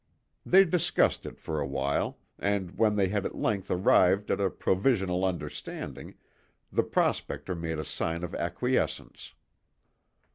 They discussed it for a while, and when they had at length arrived at a provisional understanding, the prospector made a sign of acquiescence.